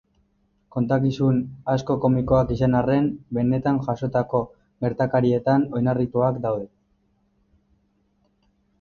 Kontakizun asko komikoak izan arren, benetan jazotako gertakarietan oinarrituak daude.